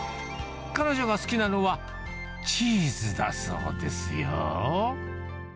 彼女が好きなのは、チーズだそうですよ。